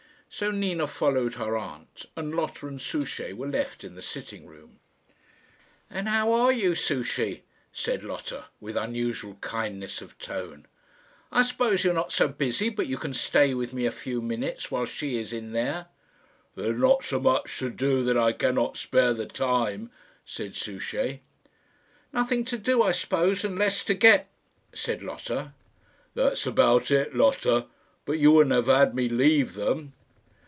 So Nina followed her aunt, and Lotta and Souchey were left in the sitting room. "And how are you, Souchey?" said Lotta, with unusual kindness of tone. "I suppose you are not so busy but you can stay with me a few minutes while she is in there?" "There is not so much to do that I cannot spare the time," said Souchey. "Nothing to do, I suppose, and less to get?" said Lotta. "That's about it, Lotta; but you wouldn't have had me leave them?"